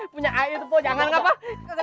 punya air tuh pok jangan gak apa